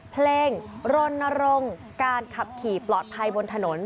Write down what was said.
เพลงลนรงสวมหมวกการขับขี่ปลอดภัยบนถนน